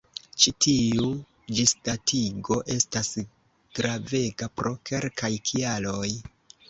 Ĉi tiu ĝisdatigo estas gravega pro kelkaj kialoj.